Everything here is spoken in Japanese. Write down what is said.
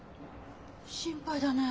心配だね。